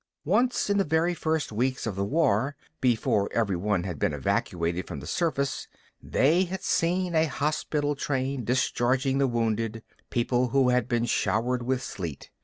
Once in the very first weeks of the war, before everyone had been evacuated from the surface, they had seen a hospital train discharging the wounded, people who had been showered with sleet.